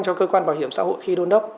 cho cơ quan bảo hiểm xã hội khi đôn đốc